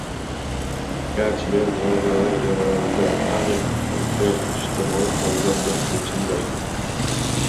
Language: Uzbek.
Garchi men, munozaralar jarayonida “Haqiqatdagi hayot” ijtimoiy hodisasi yechimdir